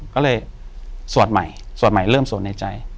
ก็เลยสวดใหม่สวดใหม่เริ่มสวดในใจ